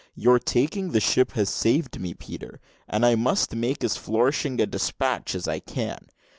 Your taking the ship has saved me, Peter; and I must make as flourishing a despatch as I can.